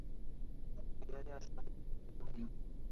বিহারী আশ্চর্য হইয়া রহিল।